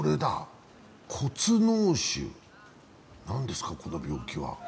骨のう腫、何ですか、この病気は？